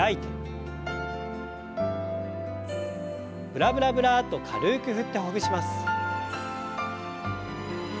ブラブラブラッと軽く振ってほぐします。